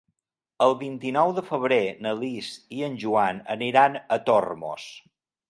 El vint-i-nou de febrer na Lis i en Joan aniran a Tormos.